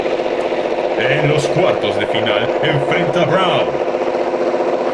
En los cuartos de final enfrenta a Brown.